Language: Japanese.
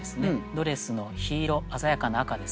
ドレスの緋色鮮やかな赤ですね